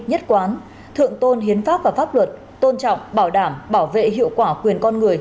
nhất quán thượng tôn hiến pháp và pháp luật tôn trọng bảo đảm bảo hiệu quả quyền con người